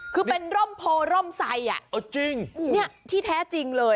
คือเป็นศพโพธิร่มไซค์เนี่ยที่แท้จริงเลย